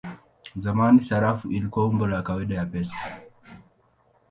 Zamani sarafu ilikuwa umbo la kawaida ya pesa.